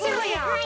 はい。